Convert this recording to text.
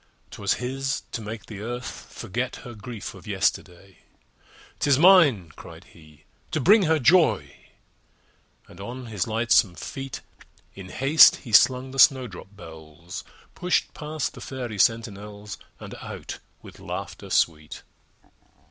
'Twas his to make the Earth forget Her grief of yesterday. "'Tis mine," cried he, "to bring her joy!" And on his lightsome feet In haste he slung the snowdrop bells, Pushed past the Fairy sentinels, And out with laughter sweet.